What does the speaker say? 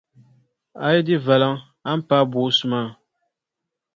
A yi di valiŋ, a ni paagi boosu maa.